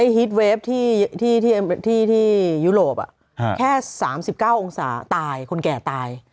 ฮีตเวฟที่ยุโรปแค่๓๙องศาตายคนแก่ตาย